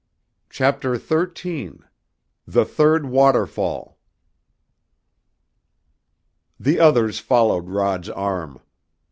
CHAPTER XIII THE THIRD WATERFALL The others followed Rod's arm.